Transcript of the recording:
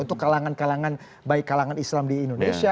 untuk kalangan kalangan baik kalangan islam di indonesia